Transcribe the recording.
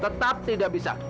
tetap tidak bisa